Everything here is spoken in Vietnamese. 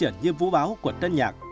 như vũ báo của tên nhạc